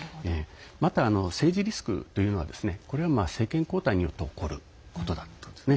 また政治リスクというのは政権交代によって起こることなんですね。